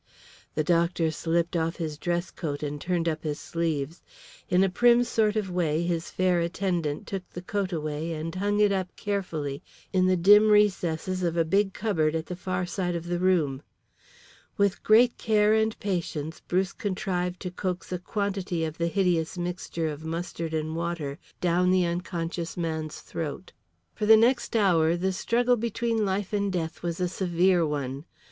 The doctor slipped off his dress coat and turned up his sleeves. In a prim sort of way his fair attendant took the coat away and hung it up carefully in the dim recesses of a big cupboard at the far side of the room. With great care and patience Bruce contrived to coax a quantity of the hideous mixture of mustard and water down the unconscious man's throat. For the next hour the struggle between life and death was a severe one.